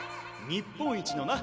日本一のな！